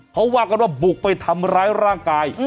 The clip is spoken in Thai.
เพราะว่าก็บุกไปทำร้ายร่างกาย